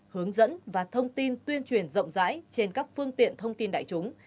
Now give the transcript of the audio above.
hướng dẫn và thông tin tuyên truyền rộng rãi trên các phương tiện thông tin đại chúng